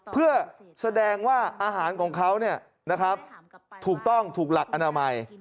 เพื่อแสดงว่าอาหารของเขาถูกต้องถูกหลักอนามัย